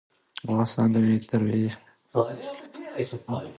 افغانستان د مېوې د ترویج لپاره پروګرامونه لري.